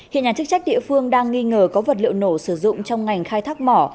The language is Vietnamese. hiện nhà chức trách địa phương đang nghi ngờ có vật liệu nổ sử dụng trong ngành khai thác mỏ